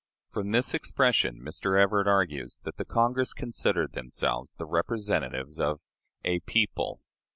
From this expression Mr. Everett argues that the Congress considered themselves the representatives of "a people."